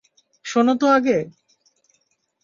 শোন তো আগে!